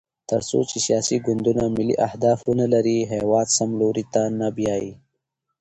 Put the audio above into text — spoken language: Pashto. تر څو چې سیاسي ګوندونه ملي اهداف ونلري، هېواد سم لوري ته نه بیايي.